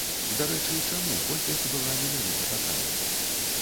Дарэчы, чаму колькасць была менавіта такая?